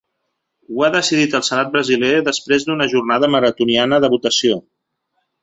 Ho ha decidit el senat brasiler després d’una jornada maratoniana de votació.